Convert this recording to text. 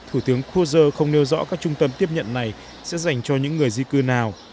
thủ tướng khos không nêu rõ các trung tâm tiếp nhận này sẽ dành cho những người di cư nào